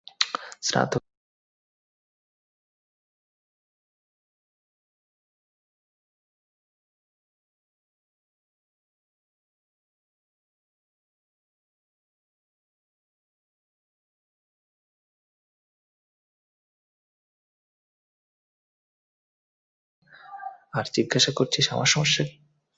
আর জিজ্ঞাসা করছিস আমার সমস্যা কি?